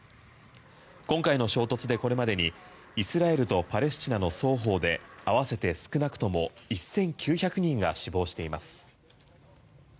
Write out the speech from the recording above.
今回の衝突でこれまでにイスラエルとパレスチナの双方で合わせて少なくとも１９００人が死亡しています。